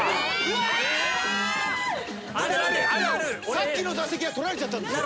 さっきの座席は取られちゃったんですよ。